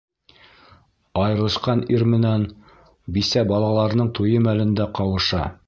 Айырылышҡан ир менән бисә балаларының туйы мәлендә ҡауыша.